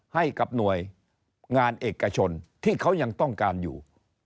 ให้กับหน่วยงานเอกชนที่เขายังต้องการอยู่